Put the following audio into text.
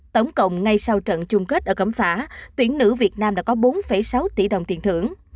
tổng cộng ngay sau trận chung kết ở cẩm phả tuyển nữ việt nam đã có bốn sáu tỷ đồng tiền thưởng